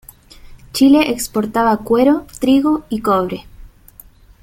Chile exportaba cuero, trigo y cobre.